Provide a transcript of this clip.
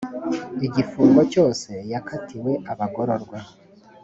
igifungo cyose yakatiwe abagororwa